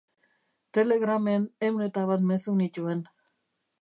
Telegramen ehun eta bat mezu nituen.